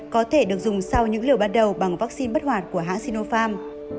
có thể được dùng sau những liều ban đầu bằng vaccine bất hoạt của hãng sinopharm